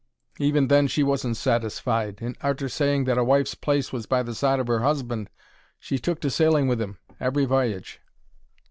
Even then she wasn't satisfied, and, arter saying that a wife's place was by the side of 'er husband, she took to sailing with 'im every v'y'ge.